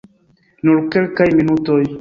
Nur kelkaj minutoj.